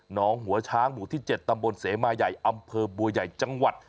หัวช้างหมู่ที่๗ตำบลเสมาใหญ่อำเภอบัวใหญ่จังหวัด